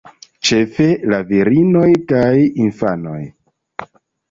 Ĉefe la virinoj kaj infanoj.